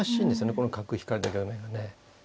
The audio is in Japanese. この角引かれた局面がね。